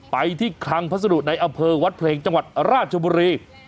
ไปที่คลังพัสดุในอำเภอวัดเพลงจังหวัดราชบุรี